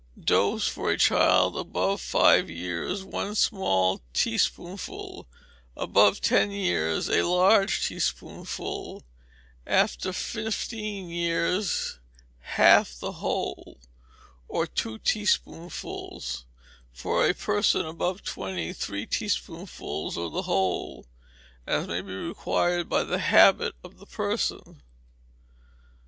Dose, for a child above five years, one small teaspoonful; above ten years, a large teaspoonful; above fifteen, half the whole, or two teaspoonfuls: and for a person above twenty, three teaspoonfuls, or the whole, as may be required by the habit of the person.